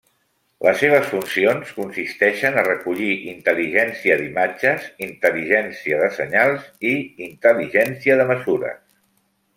Les seves funcions consisteixen a recollir intel·ligència d'imatges, intel·ligència de senyals i intel·ligència de mesures.